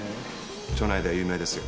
署内では有名ですよ。